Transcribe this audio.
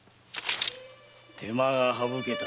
手間がはぶけた。